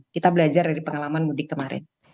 kita belajar dari pengalaman mudik kemarin